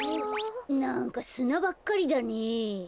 なんかすなばっかりだねえ。